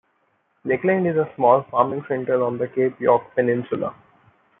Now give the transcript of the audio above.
Lakeland is a small farming centre on the Cape York Peninsula.